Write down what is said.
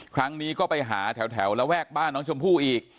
ครั้งนี้ก็ไปหาแถวระแวกบ้านน้องชมพู่อีก